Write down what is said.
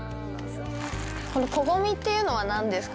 このこごみっていうのはなんですか？